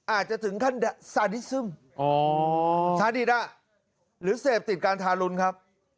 อาจจะถึงขั้นสาดิสมหรือเสพติดการทารุนครับ